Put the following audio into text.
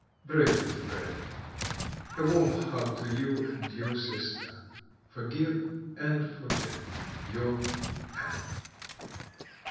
Break the thread. A warm hug to you and your sister. Forgive and forget your M."